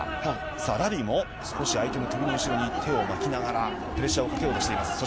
さあ、ラビも少し相手の後ろに手を巻きながら、プレッシャーをかけようとしています。